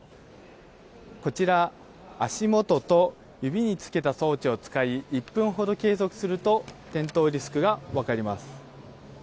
こちら足元と指につけた装置を使い１分ほど計測すると転倒リスクがわかります。